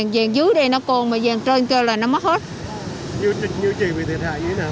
giàn dưới đây nó còn mà giàn trên kia là nó mất hết